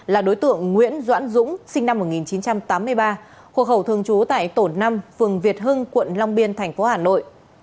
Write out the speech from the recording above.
là đối tượng nguyễn doãn dũng sinh năm một nghìn chín trăm tám mươi ba hộ khẩu thường trú tại tổ năm phường việt hưng quận long biên tp hà nội